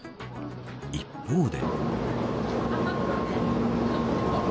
一方で。